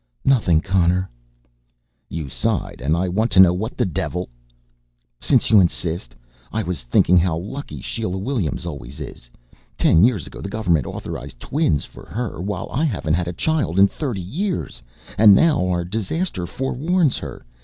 "Nothing, Connor." "You sighed and I want to know what the devil " "Since you insist I was thinking how lucky Sheila Williams always is. Ten years ago the government authorized twins for her while I haven't had a child in thirty years, and now our disaster forewarns her.